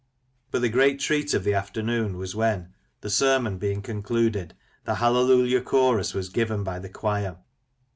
But the great treat of the afternoon was when, the sermon being concluded, the " Hallelujah Chorus " was given by the choir.